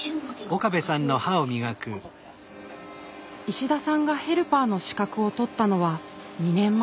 石田さんがヘルパーの資格を取ったのは２年前。